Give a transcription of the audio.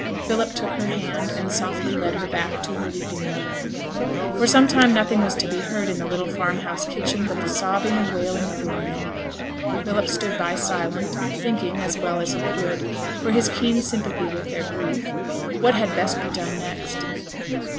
Philip took her hand, and softly led her back to her weeping mother. For some time nothing was to be heard in the little farmhouse kitchen but the sobbing and wailing of the women. Philip stood by silent, thinking, as well as he could, for his keen sympathy with their grief, what had best be done next.